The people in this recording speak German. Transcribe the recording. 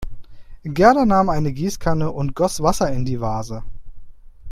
Gerda nahm eine Gießkanne und goss Wasser in die Vase.